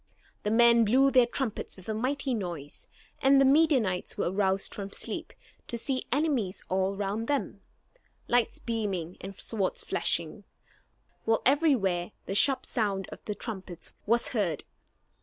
The men blew their trumpets with a mighty noise; and the Midianites were roused from sleep, to see enemies all round them, lights beaming and swords flashing, while everywhere the sharp sound of the trumpets was heard.